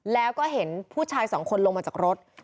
แล้วก็เห็นผู้ชายสองคนลงมาจากรถ